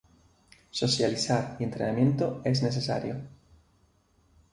Socializar y entrenamiento es necesario.